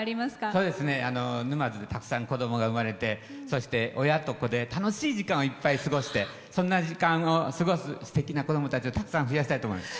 たくさん子どもが生まれてそして、親と子で楽しい時間をいっぱい過ごしてそんな時間を過ごせるすてきな子どもたちをたくさん増やしたいと思います。